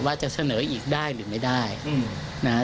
ว่าจะเสนออีกได้หรือไม่ได้นะฮะ